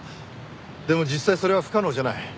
でも実際それは不可能じゃない。